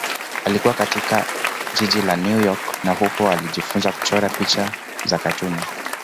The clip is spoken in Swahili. Alikua katika jiji la New York na huko alijifunza kuchora picha za katuni.